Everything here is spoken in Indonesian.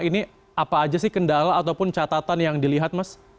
ini apa aja sih kendala ataupun catatan yang dilihat mas